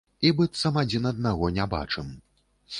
І быццам адзін аднаго не бачым.